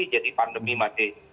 jadi pandemi masih